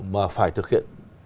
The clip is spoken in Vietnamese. mà phải thực hiện